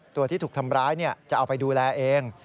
ตัวที่ถูกทำร้ายจะเอาไปดูแลเอง